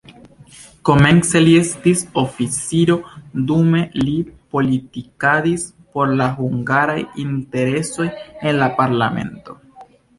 Komence li estis oficiro, dume li politikadis por la hungaraj interesoj en la parlamento.